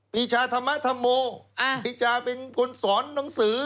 ปีชาธรรมธรรโมปีชาเป็นคนสอนหนังสือ